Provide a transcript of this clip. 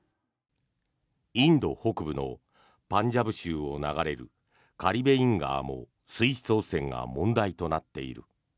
インド北部のパンジャブ州を流れるカリベイン川も水質汚染が問題となっている。